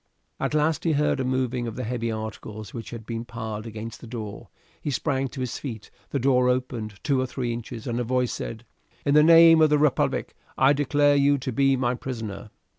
At last he heard a moving of the heavy articles which had been piled against the door; he sprang to his feet, the door opened two or three inches, and a voice said: "In the name of the republic I declare you to be my prisoner."